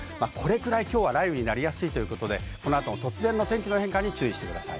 今日は雷雨になりやすいということで、この後、突然の天気の変化にご注意ください。